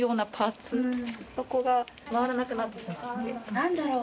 なんだろう？